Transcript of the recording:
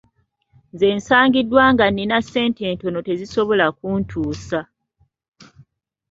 Nze nsangiddwa nga nnina ssente ntono tezisobola kuntuusa.